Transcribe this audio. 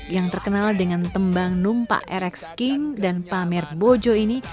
yang terkenal dengan tembang numpa rx king dan pamer bojo ini